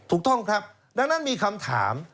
ถูกต้องครับดังนั้นมีคำถาม